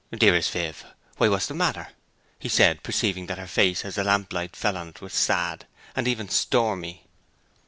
'Dearest Viv, why, what's the matter?' he said, perceiving that her face, as the lamplight fell on it, was sad, and even stormy.